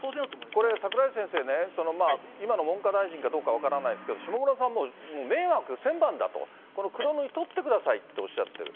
これ、櫻井先生ね、今の文科大臣かどうか分からないですけど、下村さん、迷惑千万だと、この黒塗り取ってくださいっておっしゃってる。